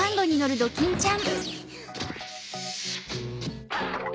ドキンちゃん！